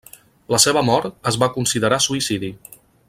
La seva mort es va considerar suïcidi.